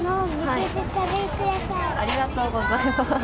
ありがとうございます。